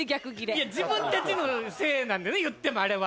いや自分たちのせいなんでね言ってもあれは。